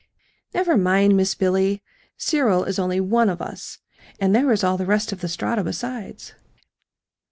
"Never mind, Miss Billy. Cyril is only ONE of us, and there is all the rest of the Strata besides."